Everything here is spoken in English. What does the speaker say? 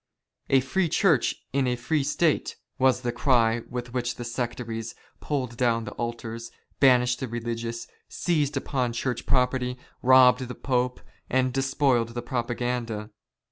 " A free Church in a free State," was the cry with which the sectaries pulled down the altars, banished the religious, seized upon Church property, robbed the Pope, and despoiled the Propaganda.